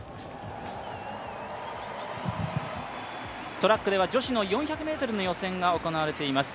トラックでは女子の４００ｍの予選が行われています。